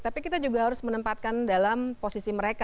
tapi kita juga harus menempatkan dalam posisi mereka